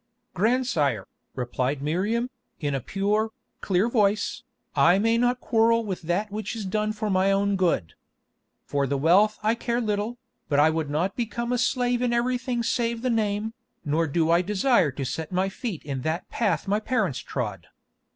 "Grandsire," replied Miriam, in a pure, clear voice, "I may not quarrel with that which is done for my own good. For the wealth I care little, but I would not become a slave in everything save the name, nor do I desire to set my feet in that path my parents trod.